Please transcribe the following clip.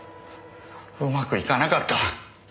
うまくいかなかった。